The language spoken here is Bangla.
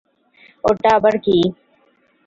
ওটা আবার কী?